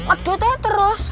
aduh toh ya terus